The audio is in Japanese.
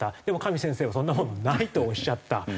でも上先生はそんなものないとおっしゃった。